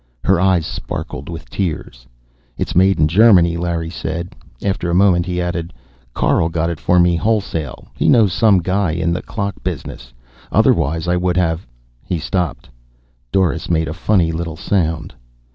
Her eyes sparkled with tears. "It's made in Germany," Larry said. After a moment he added, "Carl got it for me wholesale. He knows some guy in the clock business. Otherwise I wouldn't have " He stopped. Doris made a funny little sound.